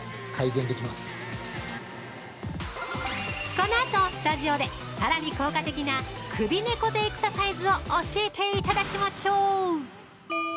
◆このあと、スタジオで、さらに効果的な首猫背エクササイズを教えていただきましょう！